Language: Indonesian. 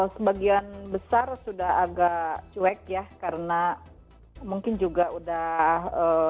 sebagian besar sudah agak cuek ya karena mungkin juga udah